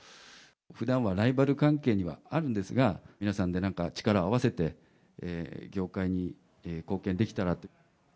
ふだんはライバル関係にはあるんですが、皆さんでなんか、力を合わせて、業界に貢献できたらと。